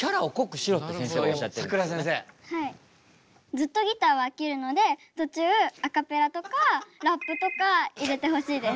ずっとギターは飽きるので途中アカペラとかラップとか入れてほしいです。